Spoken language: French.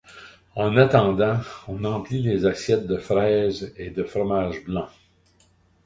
En attendant, on emplit les assiettes de fraises et de fromage blanc.